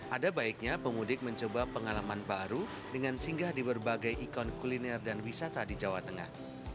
ada baiknya pemudik mencoba pengalaman baru dengan singgah di berbagai ikon kuliner dan wisata di jawa tengah